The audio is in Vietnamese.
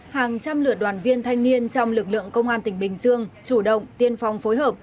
hàng trăm lượt đoàn viên thanh niên trong lực lượng công an tỉnh bình dương chủ động tiên phong phối hợp